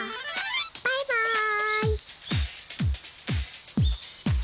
バイバーイ！